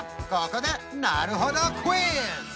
ここでなるほどクイズ！